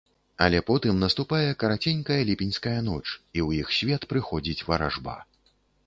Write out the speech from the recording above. Але потым наступае караценькая ліпеньская ноч, і ў іх свет прыходзіць варажба.